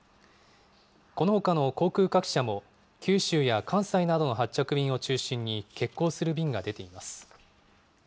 このほかの航空各社も、九州や関西などの発着便を中心に欠航する便が出ています。